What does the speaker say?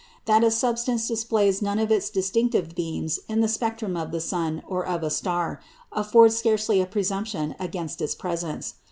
That a substance displays none of its distinctive beams in the spectrum of the sun or of a star, affords scarcely a presumption against its presence.